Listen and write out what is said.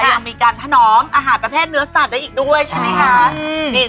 ยังมีการถนอมอาหารประเภทเนื้อสัตว์ได้อีกด้วยใช่ไหมคะ